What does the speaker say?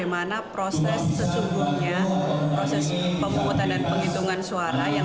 iya harus ada pendampingan